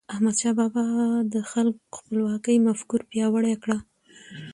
احمدشاه بابا د خپلواکی مفکوره پیاوړې کړه.